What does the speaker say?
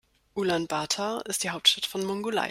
Ulaanbaatar ist die Hauptstadt von Mongolei.